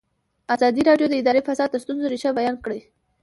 ازادي راډیو د اداري فساد د ستونزو رېښه بیان کړې.